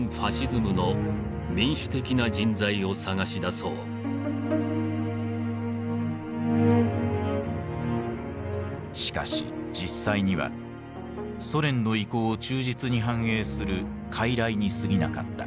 その中心人物しかし実際にはソ連の意向を忠実に反映する傀儡にすぎなかった。